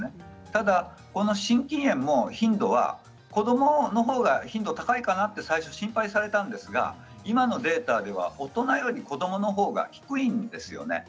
ただ心筋炎も子どものほうが頻度高いかなと最初、心配されたんですが今のデータでは大人より子どものほうが低いんですね。